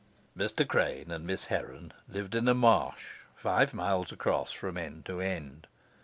Mr. Crane and Miss Heron lived in a marsh five miles across from end to end.